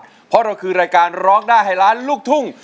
เพราะเราคือรายการร้องได้ให้ล้านลูกทุ่ง